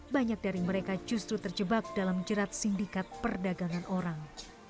banyak dari mereka justru terjebak dalam jerat sindikat perdagangan orang